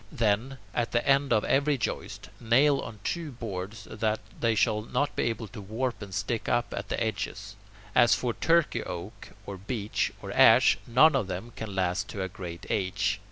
Then, at the ends of every joist, nail on two boards so that they shall not be able to warp and stick up at the edges. As for Turkey oak or beech or ash, none of them can last to a great age.